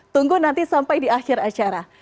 tunggu nanti sampai di akhir acara